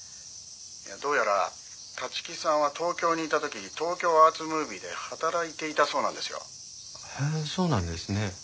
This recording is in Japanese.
「どうやら立木さんは東京にいた時東京アーツムービーで働いていたそうなんですよ」へえそうなんですね。